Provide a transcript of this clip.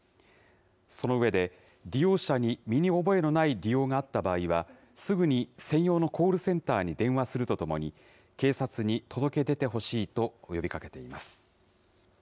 その上で、利用者に身に覚えのない利用があった場合には、すぐに専用のコールセンターに電話するとともに、警察に届け出てほしいと呼びかけています。